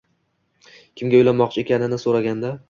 Kimga uylanmoqchi ekanini so'raganda